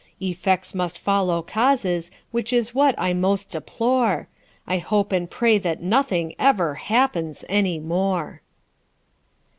Effects must follow causes which is what I most deplore; I hope and pray that nothing ever happens any more.